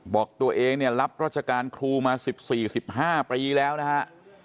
บอกตัวเองเนี่ยรับราชการครูมา๑๔๑๕ปีแล้วนะฮะ